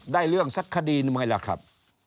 ได้เรื่องสักคดีมันยังไงล่ะครับ